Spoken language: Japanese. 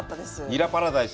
にらパラダイス。